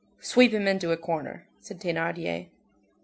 "Sweep him into a corner," said Thénardier.